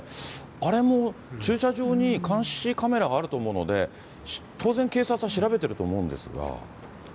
あれも駐車場に監視カメラがあると思うので、当然警察は調べてると思うんですが。